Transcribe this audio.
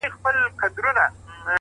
o ز ماپر حا ل باندي ژړا مه كوه،